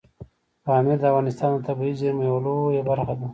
پامیر د افغانستان د طبیعي زیرمو یوه لویه برخه ده.